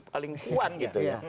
paling kuat gitu ya